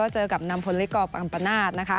เจอกับนำพลเล็กก่อกัมปนาศ